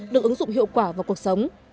được ứng dụng hiệu quả vào cuộc sống